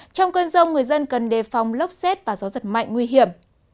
trong cơn rông người dân cần đề phòng lốc xét và gió giật mạnh nguy hiểm